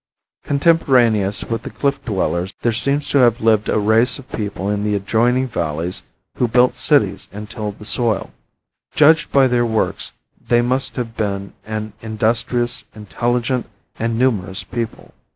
Contemporaneous with the cliff dwellers there seems to have lived a race of people in the adjoining valleys who built cities and tilled the soil. Judged by their works they must have been an industrious, intelligent and numerous people.